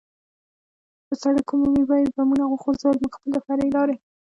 پر عمومي سړک به یې بمونه وغورځول، موږ خپله فرعي لارې.